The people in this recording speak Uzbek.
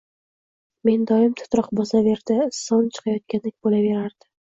Meni doim titroq bosardi, issig`im chiqayotgandek bo`laverardi